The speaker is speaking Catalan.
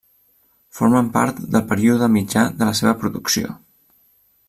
Formen part del període mitjà de la seva producció.